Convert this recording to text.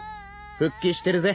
復帰してるぜ。